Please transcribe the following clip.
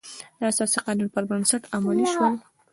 د اساسي قانون پر بنسټ عملي شول.